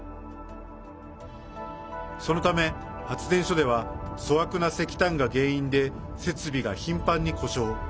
そのため、発電所では粗悪な石炭が原因で設備が頻繁に故障。